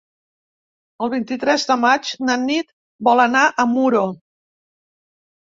El vint-i-tres de maig na Nit vol anar a Muro.